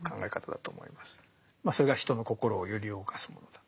まあそれが人の心を揺り動かすものだ。